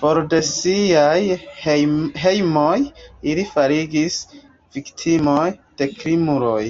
For de siaj hejmoj ili fariĝis viktimoj de krimuloj.